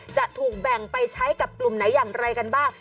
จะถูกแบ่งไปใช้กับกลุ่มไหนอย่างไรกันบ้าง